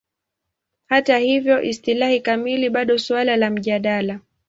Hata hivyo, istilahi kamili bado suala la mjadala.